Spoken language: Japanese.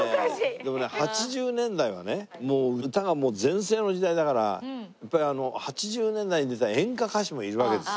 でもね８０年代はね歌がもう全盛の時代だからやっぱり８０年代に出た演歌歌手もいるわけですよ。